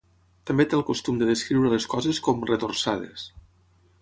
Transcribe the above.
També té el costum de descriure les coses com "retorçades".